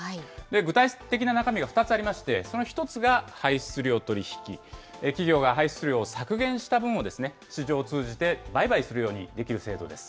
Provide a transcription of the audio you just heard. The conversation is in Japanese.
具体的な中身が２つありまして、その１つが排出量取引、企業が排出量を削減した分を、市場を通じて売買するようにできる制度です。